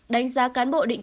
đánh giá cán bộ định